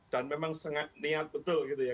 dan memang niat betul gitu ya